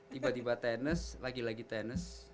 tiba tiba tenis lagi lagi tenis